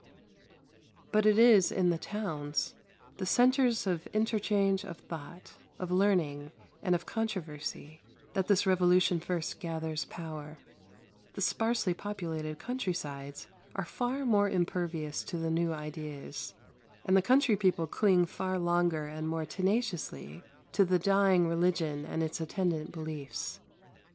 115. But it is in the towns, the centres of interchange of thought, of learning, and of controversy, that this revolution first gathers power; the sparsely populated country sides are far more impervious to the new ideas, and the country people cling far longer and more tenaciously to the dying religion and its attendant beliefs.